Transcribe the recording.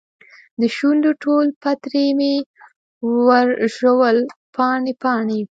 دشونډو ټول پتري مې ورژول پاڼې ، پاڼې